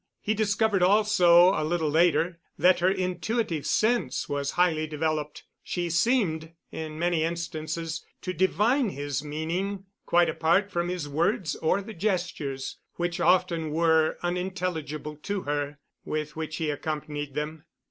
He discovered also, a little later, that her intuitive sense was highly developed. She seemed, in many instances, to divine his meaning, quite apart from his words or the gestures which often were unintelligible to her with which he accompanied them.